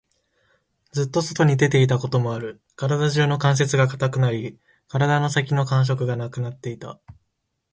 ずっと外に出ていたこともある。体中の関節が堅くなり、体の先の感覚がなくなっていた。